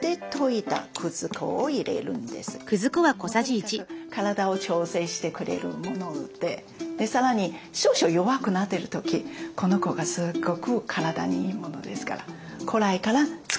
とにかく体を調整してくれるものでさらに少々弱くなっている時この粉がすごく体にいいものですから古来から使ってますので。